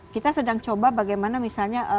kita sedang coba bagaimana misalnya